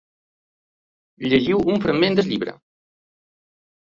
Llegiu un fragment del llibre.